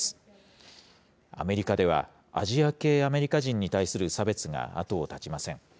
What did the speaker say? アメリカではアジア系アメリカ人に対する差別が後を絶ちません。